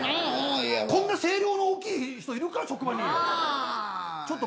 こんな声量の大きい人いるか、職場に。